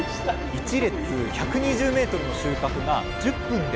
１列１２０メートルの収穫が１０分で終了！